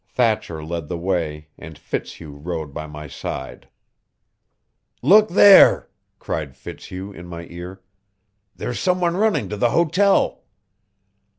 Thatcher led the way, and Fitzhugh rode by my side. "Look there!" cried Fitzhugh in my ear. "There's some one running to the hotel!"